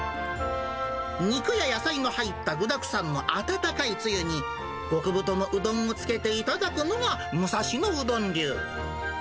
肉や野菜の入った具だくさんの温かいつゆに、極太のうどんをつけて頂くのが、武蔵野うどん流。